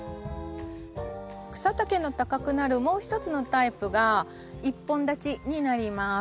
草丈の高くなるもう一つのタイプが１本立ちになります。